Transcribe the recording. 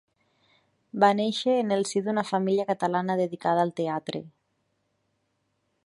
Va néixer en el si d'una família catalana dedicada al teatre.